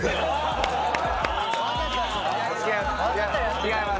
違います